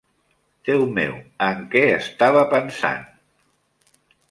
Déu meu, en què estava pensant?